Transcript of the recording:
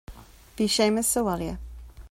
Bhí Séamus sa bhaile